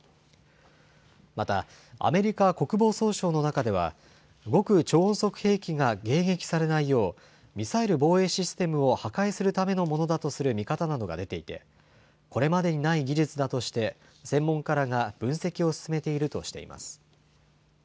また、アメリカ国防総省の中では、極超音速兵器が迎撃されないよう、ミサイル防衛システムを破壊するためのものだとする見方などが出ていて、これまでにない技術だとして、専門家らが分析を進めているとしています。